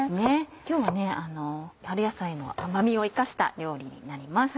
今日は春野菜の甘味を生かした料理になります。